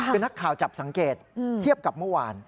คือนักข่าวจับสังเกตเทียบกับเมื่อวาน